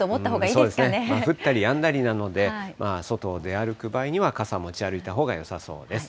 そうですね、降ったりやんだりなので、外を出歩く場合には、傘持ち歩いたほうがよさそうです。